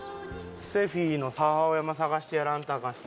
セフィの母親も探してやらんとアカンし。